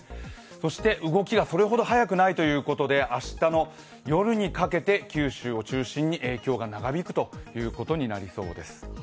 そして動きがそれほど速くないということで、明日の夜にかけて九州を中心に影響が長引くことになりそうです。